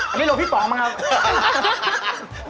อันนี้ลดพี่ป๋องมั้งครับ